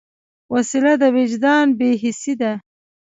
وسله د وجدان بېحسي ده